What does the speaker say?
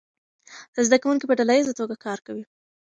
زده کوونکي په ډله ییزه توګه کار کوي.